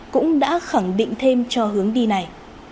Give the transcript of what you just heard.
cũng đã khẳng định thêm cho hướng đi này